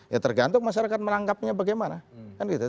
ya tergantung masyarakat menangkapnya bagaimana